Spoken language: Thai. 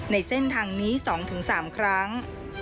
ในเส้นทางนี้๒๓ครั้ง